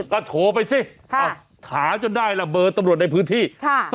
ก็โทรไปสิหาจนได้ล่ะเบอร์ตำรวจในพื้นที่